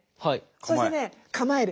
そしてね構える。